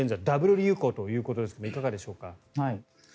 流行ということですがいかがでしょうか？